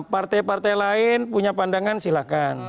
partai partai lain punya pandangan silahkan